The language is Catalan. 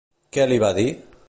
Què li va dir?